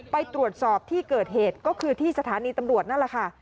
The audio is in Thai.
ไปตรวจสอบที่เกิดเหตุก็คือที่สถานีตำรวจนั่นแหละค่ะ